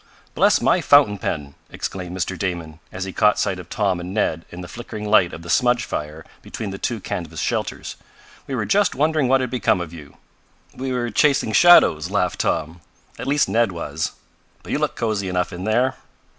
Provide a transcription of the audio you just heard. "Bless my fountain pen!" exclaimed Mr. Damon, as he caught sight of Tom and Ned in the flickering light of the smudge fire between the two canvas shelters. "We were just wondering what had become of you." "We were chasing shadows!" laughed Tom. "At least Ned was. But you look cozy enough in there."